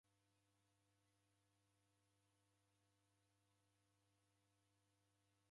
Itamwaa siwe'lazimisha mndungi uniboyere ilagho